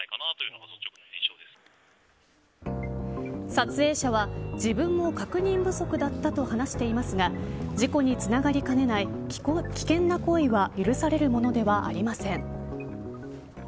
撮影者は自分も確認不足だったと話していますが事故につながりかねない危険な行為は許されるものではありません。